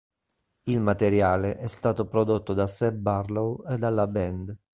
Il materiale è stato prodotto da Seb Barlow e dalla band.